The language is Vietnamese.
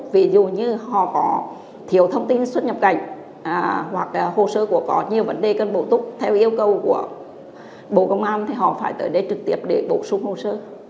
ví dụ như họ có thiếu thông tin xuất nhập cảnh hoặc hồ sơ của có nhiều vấn đề cần bổ túc theo yêu cầu của bộ công an thì họ phải tới đây trực tiếp để bổ sung hồ sơ